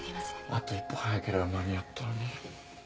あと一歩早ければ間に合ったのに。